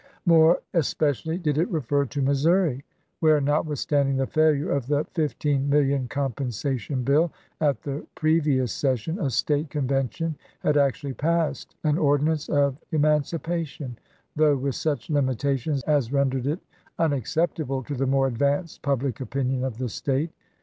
More especially did it refer to Missouri, where, notwithstanding the failure of the fifteen million compensation bill at the previous session, a State Convention had actually passed an ordinance of emancipation, though with such limitations as rendered it unacceptable to the more advanced public opinion of the State.